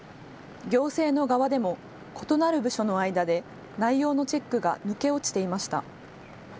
行政の側でも異なる部署の間で内容のチェックが抜け落ちていました。